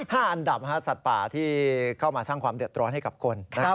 ๕อันดับสัตว์ป่าที่เข้ามาสร้างความเดือดร้อนให้กับคน